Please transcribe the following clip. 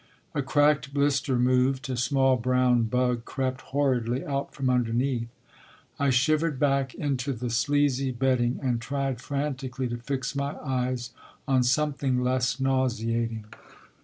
A cracked blister moved, a small brown bug crept horridly out from underneath. I shivered back into the sleazy bed ding, and tried frantically to fix my eyes on some thing less nauseating.